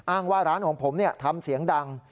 ว่าร้านของผมทำเสียงดัง